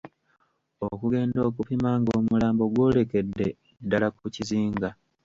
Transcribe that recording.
Okugenda okupima ng'omulambo gwolekedde ddala ku kizinga.